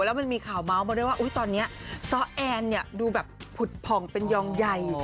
แล้วมันมีข่าวเมาส์มาด้วยว่าตอนนี้ซ้อแอนเนี่ยดูแบบผุดผ่องเป็นยองใหญ่